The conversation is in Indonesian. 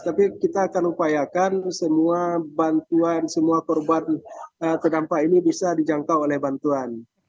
tapi kita akan upayakan semua bantuan semua korban terdampak ini bisa dijangkau oleh bantuan